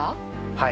はい。